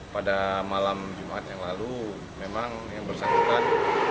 pada malam jumat yang lalu memang yang bersangkutan